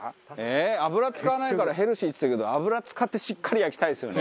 油使わないからヘルシーっつってるけど油使ってしっかり焼きたいですよね。